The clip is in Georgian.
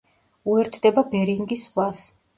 უერთდება ბერინგის ზღვას.